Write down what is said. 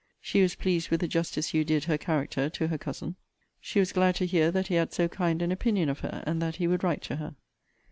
She was pleased with the justice you did her character to her cousin. She was glad to hear that he had so kind an opinion of her, and that he would write to her.